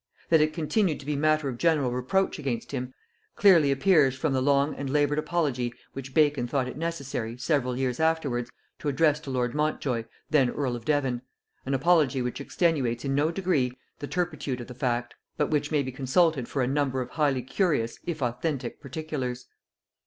That it continued to be matter of general reproach against him, clearly appears from the long and labored apology which Bacon thought it necessary, several years afterwards, to address to lord Montjoy, then earl of Devon; an apology which extenuates in no degree the turpitude of the fact; but which may be consulted for a number of highly curious, if authentic, particulars.